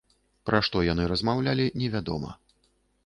Пра што яны размаўлялі, невядома.